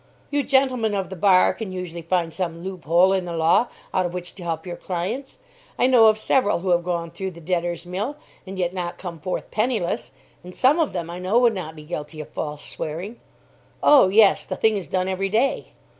You gentlemen of the bar can usually find some loop hole in the law out of which to help your clients. I know of several who have gone through the debtors' mill, and yet not come forth penniless; and some of them, I know, would not be guilty of false swearing." "Oh yes, the thing is done every day."